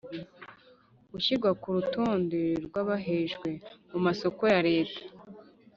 ushyirwa kurutonde rw’ abahejwe mu masoko ya Leta